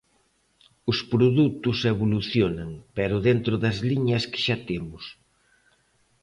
Os produtos evolucionan, pero dentro das liñas que xa temos.